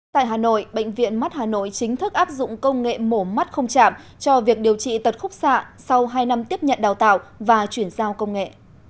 tại hà nội bệnh viện mắt hà nội chính thức áp dụng công nghệ mổ mắt không chạm cho việc điều trị tật khúc xạ sau hai năm tiếp nhận đào tạo và chuyển giao công nghệ